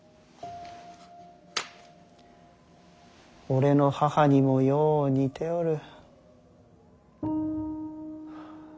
俺の母にもよう似ておる。